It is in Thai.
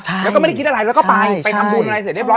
ใช่แล้วก็ไม่ได้คิดอะไรไปทำบุญอะไรเสร็จเรียบร้อย